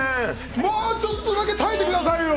もうちょっとだけ耐えてくださいよ！